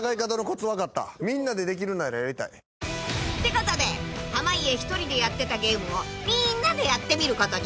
ことで濱家一人でやってたゲームをみーんなでやってみることに］